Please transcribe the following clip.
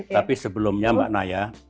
tapi sebelumnya mbak naya